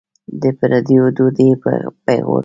د پردیو ډوډۍ پېغور لري.